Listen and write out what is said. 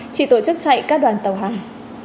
chỉ tổ chức chạy các đoàn tàu hàng